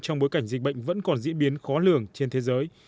trong bối cảnh dịch bệnh vẫn còn diễn biến khó lường trên thế giới